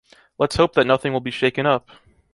Let’s hope that nothing will be shaken up!